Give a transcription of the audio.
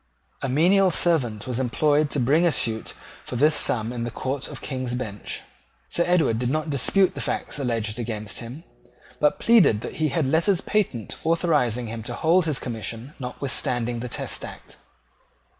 A menial servant was employed to bring a suit for this sum in the Court of King's Bench. Sir Edward did not dispute the facts alleged against him, but pleaded that he had letters patent authorising him to hold his commission notwithstanding the Test Act.